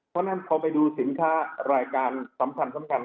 เพราะฉะนั้นพอไปดูสินค้ารายการสำคัญ